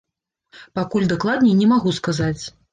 Пакуль дакладней не магу сказаць.